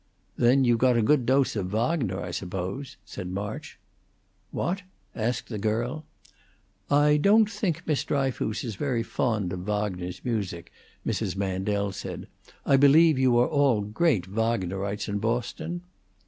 "Then you got a good dose of Wagner, I suppose?" said March. "What?" asked the girl. "I don't think Miss Dryfoos is very fond of Wagner's music," Mrs. Mandel said. "I believe you are all great Wagnerites in Boston?"